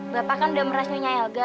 bapak kan udah merasukinnya elga